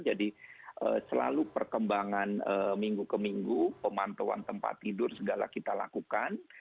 jadi selalu perkembangan minggu ke minggu pemantauan tempat tidur segala kita lakukan